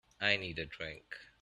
I need a drink.